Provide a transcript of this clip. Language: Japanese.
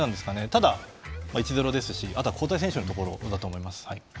ただ、１−０ですしあとは交代選手だと思います。